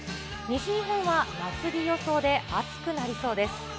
西日本は夏日予想で、暑くなりそうです。